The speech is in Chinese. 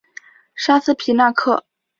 沙斯皮纳克。